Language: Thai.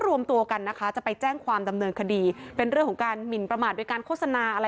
รวมตัวกันนะคะจะไปแจ้งความดำเนินคดีเป็นเรื่องของการหมินประมาทโดยการโฆษณาอะไร